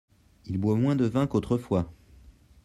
Il boit moins de vin qu'autrefois.